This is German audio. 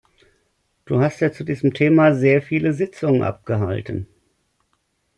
Du hast ja zu diesem Thema sehr viele Sitzungen abgehalten.